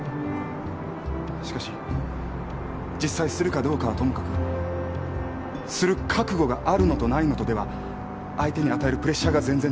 しかし実際するかどうかはともかくする覚悟があるのとないのとでは相手に与えるプレッシャーが全然違う。